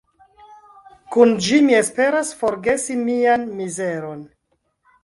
Kun ĝi mi esperas forgesi mian mizeron.